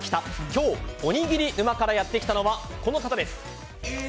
今日、おにぎり沼からやってきたのはこの方です。